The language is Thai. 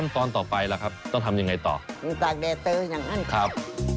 ต้องตากแดดเตอร์อย่างนั้นครับ